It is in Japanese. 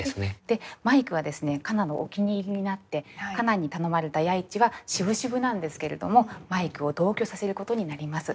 でマイクはですね夏菜のお気に入りになって夏菜に頼まれた弥一はしぶしぶなんですけれどもマイクを同居させることになります。